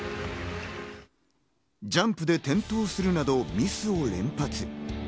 ジャンプで転倒するなど、ミスを連発。